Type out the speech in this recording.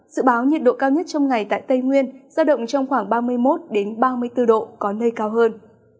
dự báo nhiệt độ cao nhất trong ngày tại tây nguyên giao động trong khoảng ba mươi một ba mươi bốn độ có nơi cao hơn